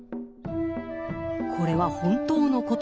これは本当のことか。